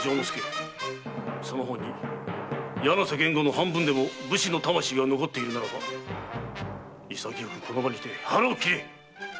介その方に柳瀬源吾の半分でも武士の魂が残っているならば潔くこの場にて腹を切れ！